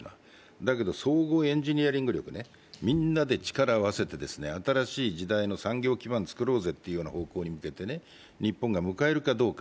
だけど総合エンジニアリング力みんなで力を合わせて新しい時代の産業基盤を作ろうぜと、日本が向かえるかどうか。